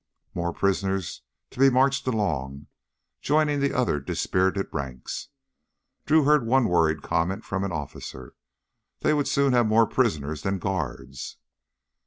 More prisoners to be marched along, joining the other dispirited ranks. Drew heard one worried comment from an officer: they would soon have more prisoners than guards.